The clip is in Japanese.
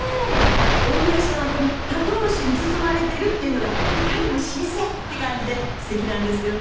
近江屋さんはこのたとう紙に包まれてるっていうのがいかにも老舗って感じですてきなんですよね。